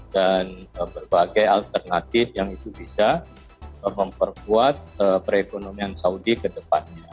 dan berbagai alternatif yang itu bisa memperkuat perekonomian saudi ke depannya